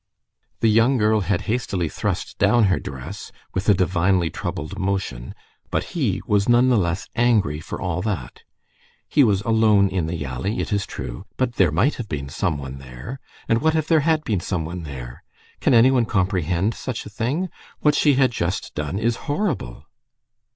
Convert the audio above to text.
The young girl had hastily thrust down her dress, with a divinely troubled motion, but he was nonetheless angry for all that. He was alone in the alley, it is true. But there might have been some one there. And what if there had been some one there! Can any one comprehend such a thing? What she had just done is horrible!